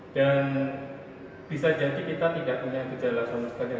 dan bisa janji kita tidak punya gejala semestinya yang tidak kita sediakan